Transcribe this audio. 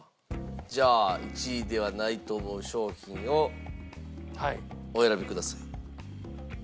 じゃあ１位ではないと思う商品をお選びください。